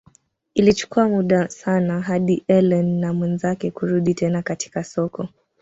Ilichukua muda sana hadi Ellen na mwenzake kurudi tena katika soko.